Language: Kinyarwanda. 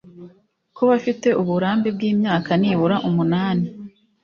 kuba afite uburambe bw imyaka nibura umunani